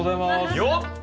よっ！